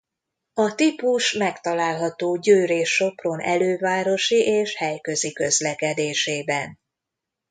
A típus megtalálható Győr és Sopron elővárosi és helyközi közlekedésében.